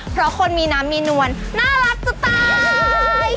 เพราะคนมีน้ำมีนวลน่ารักจะตาย